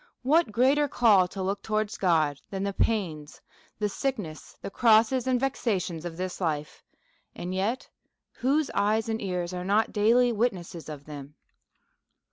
What greater call to look towards God than the pains, the sickness, the crosses, and vexations of this life, and yet Avhose eyes and ears are not daily wit^ nesses of them